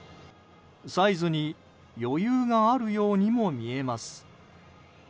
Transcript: サイズに余裕があるようにも見えます。